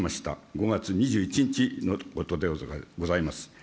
５月２１日のことでございます。